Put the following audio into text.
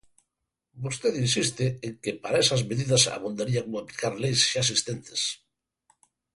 Vostede insiste en que para esas medidas abondaría con aplicar leis xa existentes.